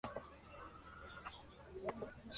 Son súper hermosos.